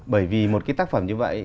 bởi vì một cái tác phẩm như vậy